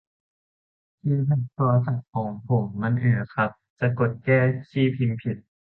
คีย์แพดโทรศัพท์ผมมันเอ๋อครับ จะกดแก้ที่พิมพ์ผิด